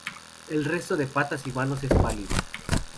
El resto de patas y manos es pálido.